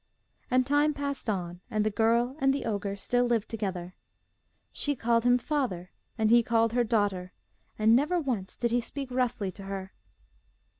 And time passed on, and the girl and the ogre still lived together. She called him 'Father,' and he called her 'Daughter,' and never once did he speak roughly to her.